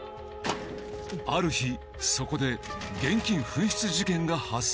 ある日そこで現金紛失事件が発生。